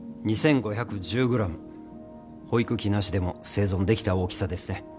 ２，５１０ｇ保育器なしでも生存できた大きさですね。